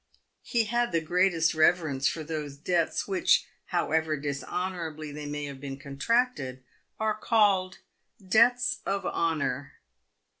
He had the greatest reverence for those debts which, however dis honourably they may have been contracted, are called debts of honour.